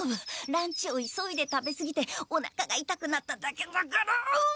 ランチを急いで食べすぎておなかがいたくなっただけだからうっ！